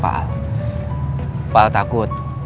pak al pak al takut